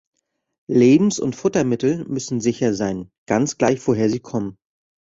Lebens- und Futtermittel müssen sicher sein, ganz gleich woher sie kommen.